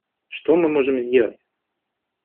Что мы можем сделать?